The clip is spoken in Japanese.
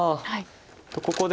ここで。